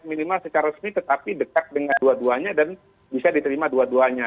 minimal secara resmi tetapi dekat dengan dua duanya dan bisa diterima dua duanya